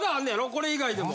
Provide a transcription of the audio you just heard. これ以外でも。